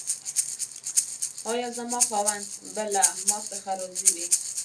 ایا زما خاوند به له ما څخه راضي وي؟